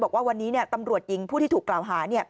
บอกว่าวันนี้ตำรวจหญิงผู้ที่ถูกกล่าวหา